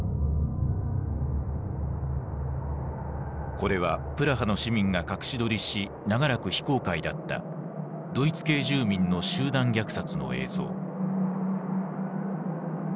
これはプラハの市民が隠し撮りし長らく非公開だったドイツ系住民の集団虐殺の映像。